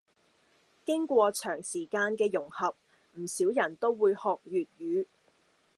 經過長時間嘅融合，唔少人都會學粵語